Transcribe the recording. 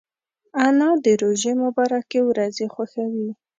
انا د روژې مبارکې ورځې خوښوي